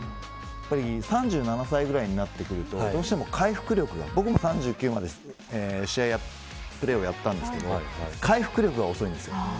３７歳ぐらいになってくるとどうしても回復力が僕も３９までプレーをやったんですけど回復力が遅いんです。